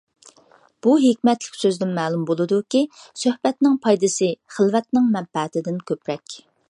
بۇ ھېكمەتلىك سۆزدىن مەلۇم بولىدۇكى، سۆھبەتنىڭ پايدىسى خىلۋەتنىڭ مەنپەئىتىدىن كۆپرەك.